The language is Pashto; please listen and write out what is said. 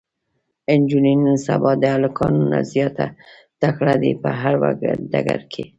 انجونې نن سبا د هلکانو نه زياته تکړه دي په هر ډګر کې